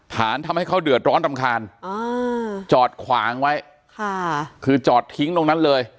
ฐานทำให้เขาเดือดร้อนรำคาญจอดขวางไว้ค่ะคือจอดทิ้งตรงนั้นเลย